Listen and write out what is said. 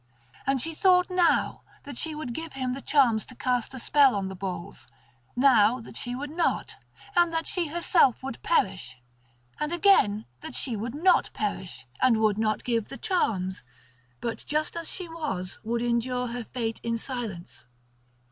And she thought now that she would give him the charms to cast a spell on the bulls, now that she would not, and that she herself would perish; and again that she would not perish and would not give the charms, but just as she was would endure her fate in silence.